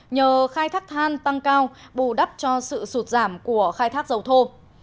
nhờ khai thác than tăng cao bù đắp cho sự sụt giảm của khai thác dầu thô